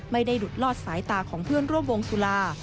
ไม่ได้หลุดลอดสายตาของเพื่อนร่วมวงสุรา